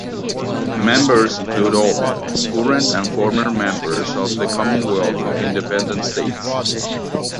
Members include all current and former members of the Commonwealth of Independent States.